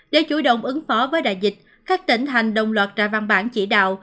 để chủ động ứng phó với đại dịch các tỉnh thành đồng loạt ra văn bản chỉ đạo